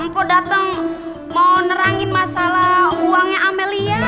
empo dateng mau nerangin masalah uangnya amelia